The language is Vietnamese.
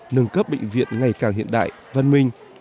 nâng cấp bệnh viện ngày càng hiện đại văn minh